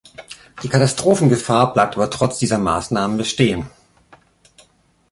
Die Katastrophengefahr bleibt aber trotz dieser Maßnahmen bestehen.